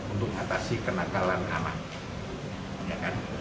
untuk atasi kenakalan aman